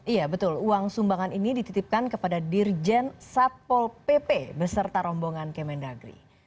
iya betul uang sumbangan ini dititipkan kepada dirjen satpol pp beserta rombongan kemendagri